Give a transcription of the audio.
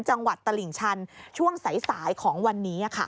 จังหวัดตลิ่งชันช่วงสายของวันนี้